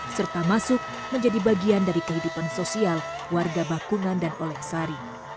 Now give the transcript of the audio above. serta masuk menjadi bagian dari kehidupan sosial warga bakungan dan oleh sari